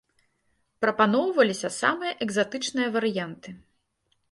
Прапаноўваліся самыя экзатычныя варыянты.